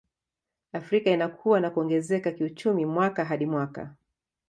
Afrika inakua na kuongezeka kiuchumi mwaka hadi mwaka